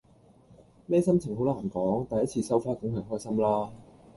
咩心情好難講，第一次收花梗係開心啦